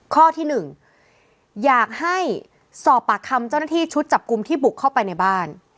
ข้อที่๑อยากให้สอบปากคำเจ้าหน้าที่ชุดจับกลุ่มที่บุกเข้าไปในบ้าน